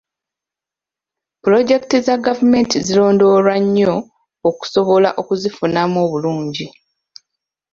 Pulojekiti za gavumenti zirondoolwa nnyo okusobola okuzifunamu obulungi.